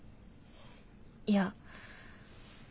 いや。